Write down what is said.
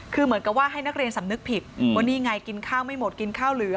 คือเหมือนกับว่าให้นักเรียนสำนึกผิดว่านี่ไงกินข้าวไม่หมดกินข้าวเหลือ